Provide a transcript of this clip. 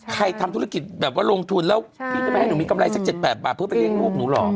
ทำธุรกิจแบบว่าลงทุนแล้วพี่จะไม่ให้หนูมีกำไรสัก๗๘บาทเพื่อไปเลี่ยงลูกหนูเหรอ